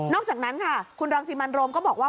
อกจากนั้นค่ะคุณรังสิมันโรมก็บอกว่า